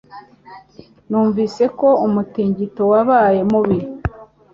Numvise ko umutingito wabaye mubi.